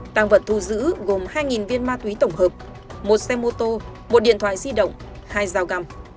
tăng vật thu giữ gồm hai viên ma túy tổng hợp một xe mô tô một điện thoại di động hai dao găm